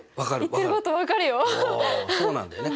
おおそうなんだよね。